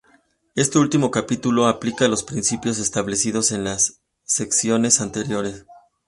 Este último capítulo aplica los principios establecidos en las secciones anteriores.